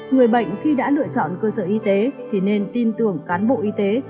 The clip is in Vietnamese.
người bệnh khi đã lựa chọn cơ sở y tế thì nên tin tưởng cán bộ y tế